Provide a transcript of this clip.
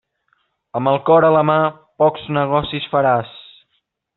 Amb el cor en la mà, pocs negocis faràs.